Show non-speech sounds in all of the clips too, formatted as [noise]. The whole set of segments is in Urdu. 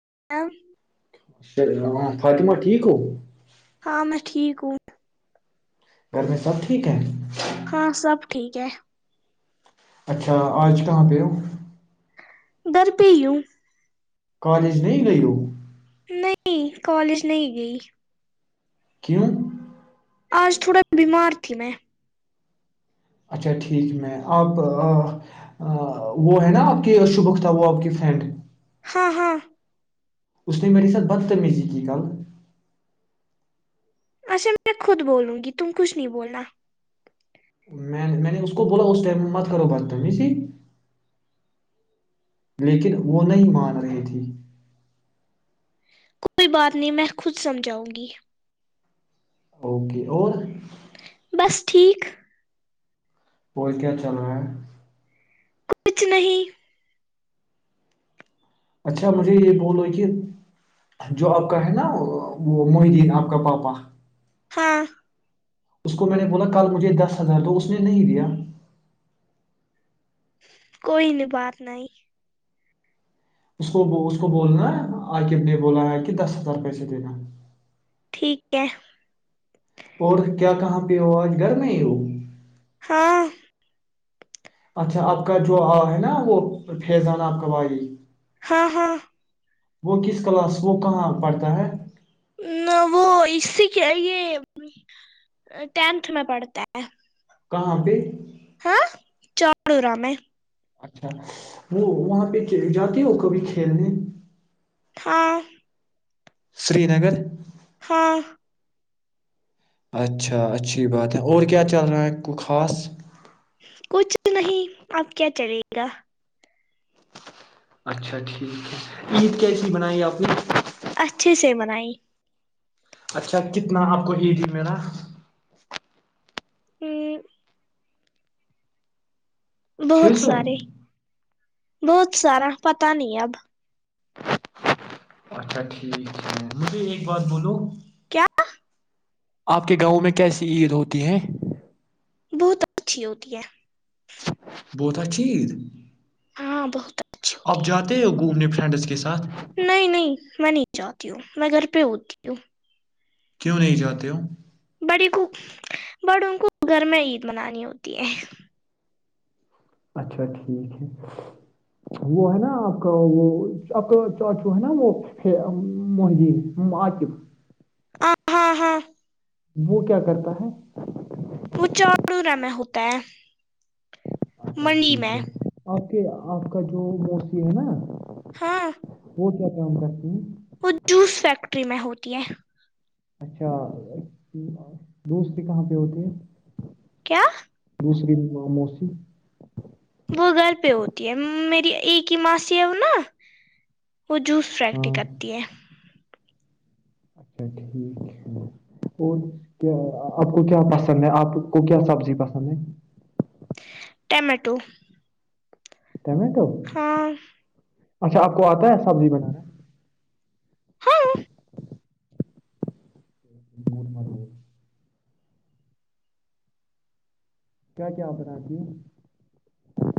[inaudible] ہاں فاطمہ ٹھیک ہو ہاں میں ٹھیک ہوں گھر میں سب ٹھیک ہے ہاں سب ٹھیک ہے اچھا آج کہاں پہ ہ دربو کالج نہیں گ وہ نہیں کالج نہیں گئی کیوں آج تھوڑا بیمار تھی میں اچھا ٹھیک میں آپ وہ ہے نا آپ کی شبختہ وہ آپ کی فرینڈ ہاں ہاں اس نے میرری ساتھ بدتمیزی کی کل اچھا میں خود بولوں گی تم کچھ نہیں بولا میں میں نے اس کو بولا اس ٹائم میں مت کرو باتی ت لیکن وہ نہیں مان رہی تھی کوئی بات نہیں میں خود سمجھاؤں گی اوکے اور بس ٹھیک وہ کیا چل رہا ہے؟ کچھ نہیں اچھا مجھے یہ بولو کہ جو آپ کا ہے نا وہ محدین آپ کا پاپا ہاں اس کو میں نے بولا کل مجھے دس ہزار تو اس نے نہیں دیا کوئی نہیں بات نہیں اس کو اس کو بولنا عقب نے بولا ہے کہ دس ہزار پیسے دینا ٹھیک ہے [unintelligible] اور کیا کہاں ہو آج گھر نہیں ہو ہاں [unintelligible] اچھا آپ کا جو آ ہے نا وہ پیضانا آپ کا بھائی ہاں ہاں [unintelligible] وہ کس کلاس وہ کہاں پڑھتا ہے وہ اسی کے یہ ٹینتھ میں پڑھتا ہے [unintelligible] کہاں پہ [unintelligible] ہاں چڑو ر میں [unintelligible] اچھا وہ وہاں پہ چلے جاتے ہو کبھی کھیلنے [unintelligible] ہاں [unintelligible] سری نگر [unintelligible] ہاں [unintelligible] اچھا اچھی بات ہے اور کیا چل رہا ہے کو خاص [unintelligible] کچھ نہیں آپ کیا چلے گا اچھا ٹھیک ہے عید کیسی بنائی آپ نے [unintelligible] اچھے سے منائی [unintelligible] اچھا کتنا آپ کو ایید میرا [unintelligible] ا [inaudible] [unintelligible] چھ بہت سو سارے [unintelligible] بہت سارا پت نہیں اب اچھا ٹھیک ہے مجھے ایک بات بولو [unintelligible] کیا آپ کے گاؤں میں کیسی عید ہوتی ہے [unintelligible] بہت اچھی ہوتی ہے بہتا چٹھییک ہاں بہت اچھی [unintelligible] اب ہوتی جاتے ہو گھومنے پھر [unintelligible] فرینڈس کے ساتھ نہیں نہیں میں نہیں جاہتی ہوں میں گھر پہ اتی ہوں [unintelligible] کیوں نہیں جاتے ہو [unintelligible] بڑی کو بڑوں کو گھر میں عید منانی ہوتی ہے [unintelligible] اچھا ٹھیک ہے وہ ہے نا آپ کا وہ آپ کا جو ہے نا وہ مہدی عقب ہ ہاں ہاں [unintelligible] وہ کیا کرتا ہے [unintelligible] وہ چاروں رم ہوتا ہے [unintelligible] اچھا منڈی ٹھیک میں ہے [unintelligible] کہ آپ کا جو موسی ہے نا [unintelligible] ہاں [unintelligible] وہ کیا کام کرتی ہ ہیں وہ جوس فیکٹری میں ہوتی ہے [unintelligible] اچھا دوست کہاں پہ ہوتے ہیں کیا [unintelligible] دوسری ماں موسی [unintelligible] وہ گھر پہ ہوتی ہے میری ایک ہی ماسی ہے وہ نا وہ جوس فریکٹری ہاں کرتی ہے [unintelligible] [unintelligible] ٹمٹو [unintelligible] کیم تو [unintelligible] اچھا آپ کو آتا ہے سبزی بنانا [unintelligible] ہاں [unintelligible] [unintelligible]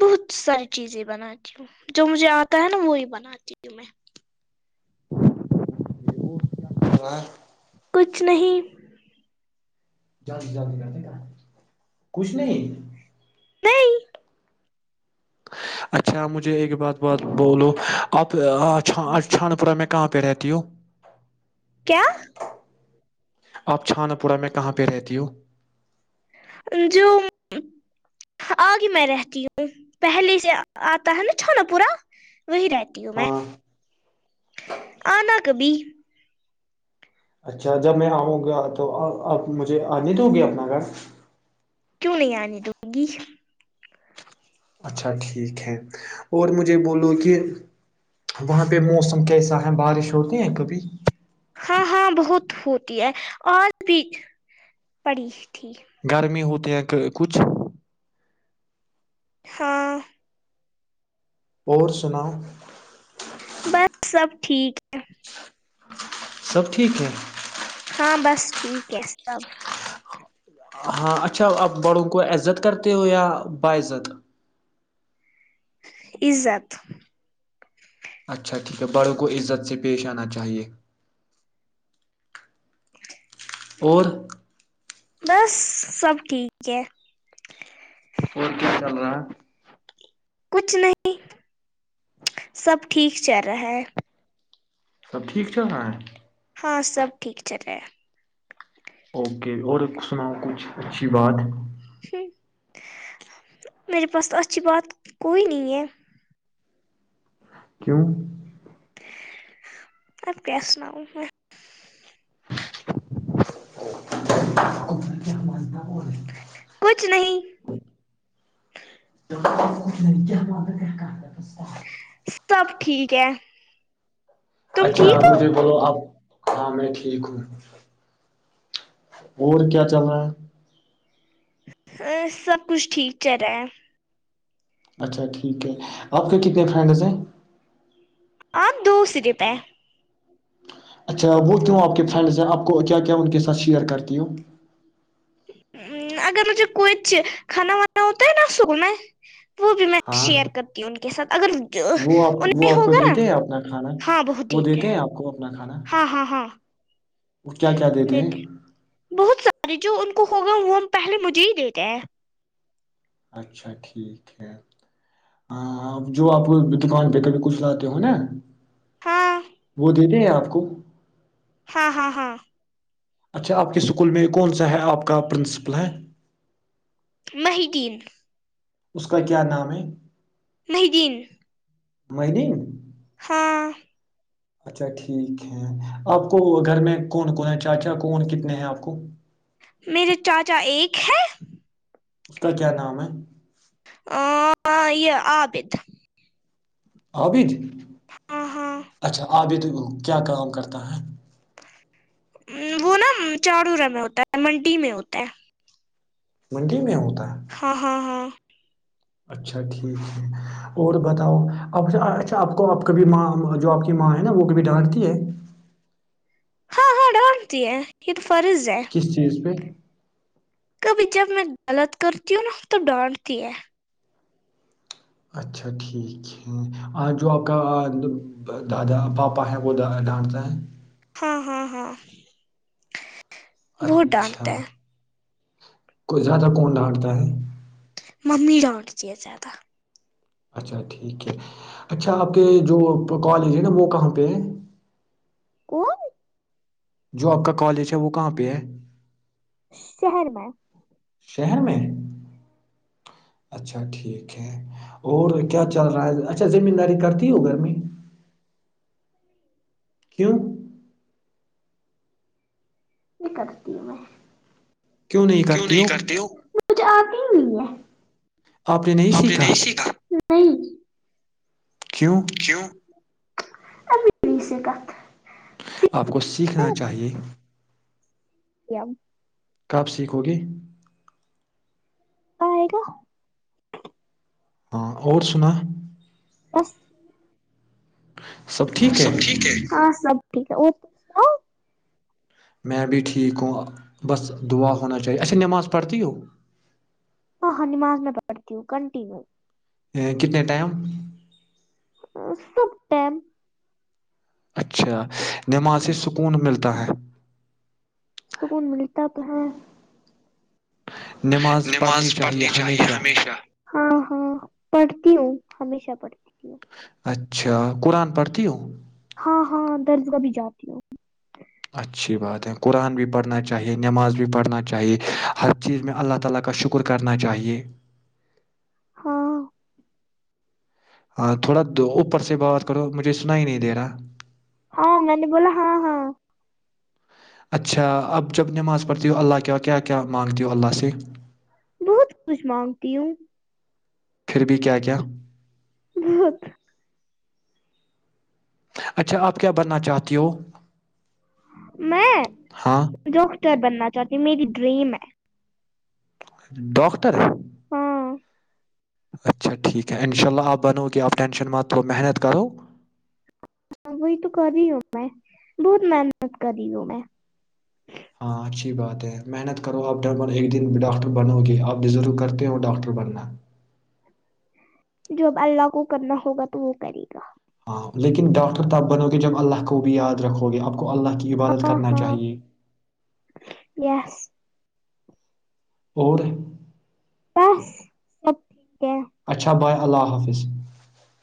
بہت ساری چیزیں بناتی ہوں جو مجھے آتا ہے نا وہی بناتی ہوں میں [unintelligible] کچھ نہیں [unintelligible] نہیں اچھا مجھے ایک بات بولو آپ چھان پورہ میں کہاںہ پے رہتی ہو کیا آپ چھا نہ پورا میں کہاں پے رہتی ہوں جو آگے میں رہتی ہوں پہلے سے آتا ہے نا چھوناپورا وہی رہتی ہوں میں ہاں آنا کبھی اچھا جب میں آؤں گا تو اپ مجھے آنے دو گی اپنا گھر کیوں نہیں آنی د گی اچھا ٹھیک ہے اور مجھے بولو کہ وہاں پہ موسم کیسا ہے بارش ہوتی ہیں کبھی ہاں ہاں بہت ہوتی ہے آج بھی پڑی تھی گرمی ہوتی ہیں کچھ ہاں اور سناؤ بس سب ٹھیک ہے سب ٹھیک ہے ہاں بس ٹھیک ہے سب ہاں اچھا آپ بڑوں کو عزت کرتے ہو یا باعزت عزت اچھا ٹھیک ہے بڑوں کو عزت سے پیش آنا چاہیے اور بس سب ٹھیک ہے اور کیا چل رہا کچھ نہیں سب ٹھیک چل رہا ہے سب ٹھیک چل رہا ہے ہاں سب ٹھیک چلے ہے اوکے اور سناؤ کچھ اچھی بات ہ میرے پاس تو اچھی بات کوئی نہیں ہے کیوںہ آپ کیا سناؤ میں [inaudible] [unintelligible] کچھ نہیں [unintelligible] [unintelligible] سب ٹھیک ہے تم اچھا ٹھیک مجھے بولو آپ ہاں میں ٹھیک ہوں اور کیا چل رہا ہے ا سب کچھ ٹھیک چل رہا ہے اچھا ٹھیک ہے آپ کے کتنے فرینڈز ہیں آ دو صرف ہے اچھا وہ کیوں آپ کے فرینڈس ہیں آپ کو کیا کیا ان کے ساتھ شیئر کرتی ہوں ہ اگر مجھے کوئیچ کھانا وانا ہوتا ہے نا سک میں وہ بھی میں ہاں شیئر کرتی ہوں ان کے ساتھ اگر وہ آپ وہ انہیں آپ کو ہوگا نا دیتے ہیں اپنا کھانا ہاں بت وہ دیتے ہیں آپ کو اپنا کھانا ہاں ہاں ہاں وہ کیا کیا دیتے ہیں؟ ارے جو ان کو ہوگا وہ ہم پہلے مجھے ہی دیتے ہیں اچھا ٹھیک ہے جو آپ دکان پہ کبھی کچھ لاتے ہو نا ہاں وہت دتے ہیں آپ کو ہاں ہاں ہاں اچھا آپ کے اسکول میں کون سا ہے آپ کا پرنسپل ہے ماہیدین اس کا کیا نام ہے؟ مہدین مین ہاں اچھا ٹھیک ہے آپ کو گھر میں کون کون ہے چاچا کون کتنے ہیں آپ کو میرے چاچا ایک ہیں اس کا کیا نام ہے آ یہ عابد ہابد ہاں ہاں اچھا آب بھی تو کیا کام کرتا ہے وہ نا چاارور میں ہوتا ہے منڈی میں ہوتا ہے منڈی میں ہوتا ہے ہاں ہاں ہاں اچھا ٹھیک ہے اور بتاؤ آپ اچھا آپ کو آپ کاب ماں جو آپ کی ماں ہے نا وہ کبھی ڈانٹتی ہے ہاں ہ ڈامتی ہے فرض ہے کس چیز پہ کبھی جب میں غلط کرتی ہوں نا تو ڈانٹتی ہے اچھا ٹھیک ہے جو آپ کا دادا پاپا ہیں وہ ڈھانٹتا ہے ہاں ہاں ہاں بہت اچھا ڈانٹتا ہے کوئی زیادہ کون ڈھاٹتا ہے ممی ڈونٹتی ہے زیادہ اچھا ٹھیک ہے اچھا آپ کے جو کالج ہے نا وہ کہاں پہ ہے کون جو آپ کا کالج ہے وہ کہاں پہ ہے شہر میں شہر میں اچھا ٹھیک ہے اور کیا چل رہا ہے اچھا زمین داری کرتی ہو گھر میں کیوں یہ کرتی ہوں میں کیوں نہیں کرتے ہو آپ [inaudible] اپنے نہیں سیکھا نہیں [unintelligible] کیوں [unintelligible] اب سے سے کت [unintelligible] آپ کو سیکھنا چاہیے ؤ [unintelligible] کاپ سیکھو گی آئے گا [unintelligible] ہاں اور سنا بس ٹھیک سب ٹھیک ہے ہاں سب ٹھیک ہے اور تس سناؤ میں بھی ٹھیک ہوں بس دعا ہونا چاہیے ایسے نماز پڑھتی ہو ہاں ہاں نماز میں پڑھتی ہوں کنٹینیو کتنے ٹائم اسٹم اچھا نماز سے سکون ملتا ہے سکون ملتا کہاں [unintelligible] نماز پڑھنی چاہیے ہمیشہ ہاں ہاںڑ تی ہمیشہ پڑتی اچھا قرآن پڑھتی ہوں ہاں ہاں درزگہ بھی جاتی ہ اچھی بات ہے قرآن بھی پڑھنا چاہیے نماز بھی پڑھنا چاہیے ہر چیز میں اللہ تعالی کا شکر کرنا چاہیے ہاں ہاں تھوڑا اوپر سے بات کرو مجھے سنا ہی نہیں دے رہا ہاں میں نے بولا ہاں ہاں اچھا اب جب نماز پڑھتی ہو اللہ کیا کیا کیا مانگتی ہو اللہ سے بہت کچھ مانگتی ہوں پھر بھی کیا کیا؟ بہت اچھا آپ کیا بننا چاہتی ہو میں ہاں ڈاکٹر بننا تھا جات میری ڈریم ہے ڈاکٹر ہاں اچھا ٹھیک ہے انشاء اللہ آپ بنو کہ آپ ٹینشن م تو محنت کرو ہاں وہی تو کر رہی ہوں میں بہت محنت کر رہی ہوں میں ہاں اچھی بات ہے محنت کرو آپ ڈ ایک دن ڈاکٹر بنو گے آپ ڈ ر کرتے ہو ڈاکٹر بننا جو اب اللہ کو کرنا ہوگا تو وہ کرے گا ہاں لیکن ڈاکٹر تب بنو گے جب اللہ کو بھی یاد رکھو گے اب اللہ کی عبادت ہاں کرنا ہاں چاہیے یس اور س سب ہے اچھا ب اللہ حافظ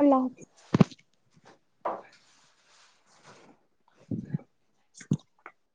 اللہ حافظ ا [inaudible] [inaudible]